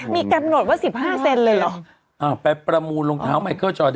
มีกำหนดว่า๑๕เซนเลยหรอ